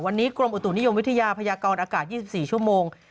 วันนี้กรมอุตุนิยมวิทยาพยากรอากาศ๒๔ชั่วโมง